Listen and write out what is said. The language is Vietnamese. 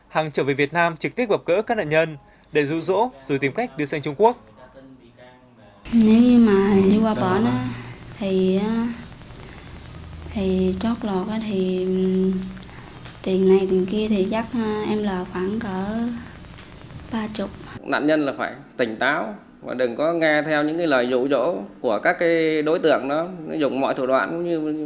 hằng trở về việt nam trực tiếp bọc cỡ các nạn nhân để rụ rỗ